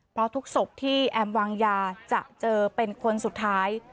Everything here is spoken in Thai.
เพราะทุกศพที่แอมวางยาจะเจอเป็นคนสุดท้าย